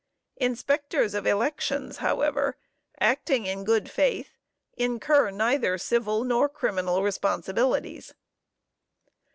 Inspectors of elections, however, acting in good faith, incur neither civil nor criminal responsibilities.